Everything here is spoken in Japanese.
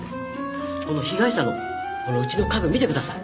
この被害者のこのうちの家具見てください